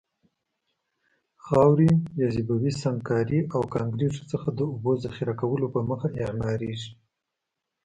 خاورې، جاذبوي سنګکارۍ او کانکریتو څخه د اوبو د ذخیره کولو په موخه اعماريږي.